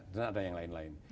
dan ada yang lain lain